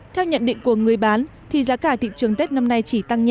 theo nhận định của người bán thì giá cả thị trường tết năm nay chỉ tăng nhẹ